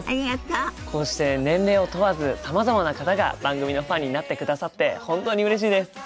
こうして年齢を問わずさまざまな方が番組のファンになってくださって本当にうれしいです。